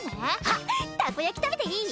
あたこ焼きたべていい？